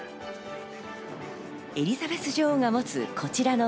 エリザベス女王が持つ、こちらの杖。